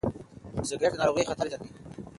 سګرېټ د ناروغیو خطر زیاتوي.